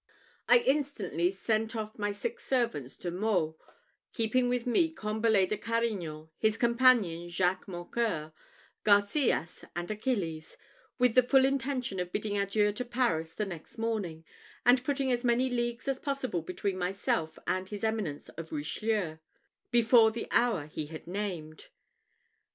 I instantly sent off my six servants to Meaux, keeping with me Combalet de Carignan, his companion Jacques Mocqueur, Garcias, and Achilles, with the full intention of bidding adieu to Paris the next morning, and putting as many leagues as possible between myself and his eminence of Richelieu, before the hour he had named.